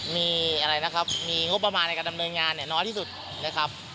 มีอะไรนะครับมีงบประมาณในการดำเนินงานเนี่ยน้อยที่สุดนะครับ